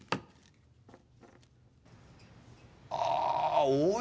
あおい